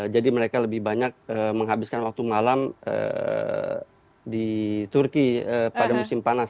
jadi mereka lebih banyak menghabiskan waktu malam di turki pada musim panas